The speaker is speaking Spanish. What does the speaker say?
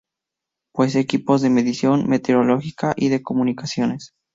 Posee equipos de medición meteorológica y de comunicaciones.